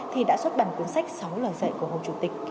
trong sách sáu lời dạy của hồ chủ tịch